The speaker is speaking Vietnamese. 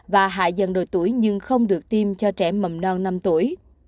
và hạ dần độ tuổi nhưng không được tiêm cho trẻ mầm non năm tuổi